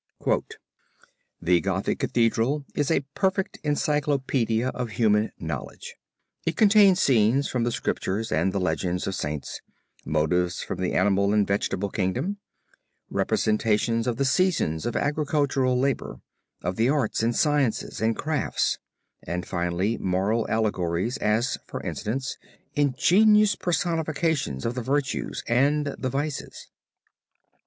"The Gothic Cathedral is a perfect encyclopedia of human knowledge. It contains scenes from the Scriptures and the legends of saints; motives from the animal and vegetable kingdom; representations of the seasons of agricultural labor, of' the arts and sciences and crafts, and finally moral allegories, as, for instance, ingenious personifications of the virtues and the vices.